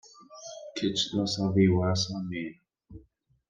Kečč d asaḍ-iw, a Sami.